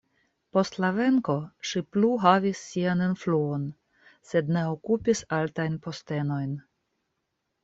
Post la venko ŝi plu havis sian influon, sed ne okupis altajn postenojn.